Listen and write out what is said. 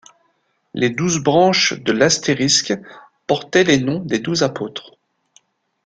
Les douze branches de l'astérisque portaient les noms des douze apôtres.